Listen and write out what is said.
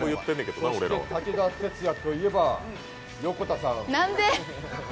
そして武田鉄矢といえば横田さん。